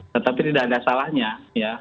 tetapi tidak ada salahnya ya